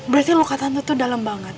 berarti luka tante itu dalam banget